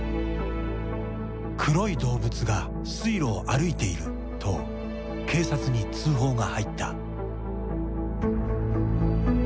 「黒い動物が水路を歩いている」と警察に通報が入った。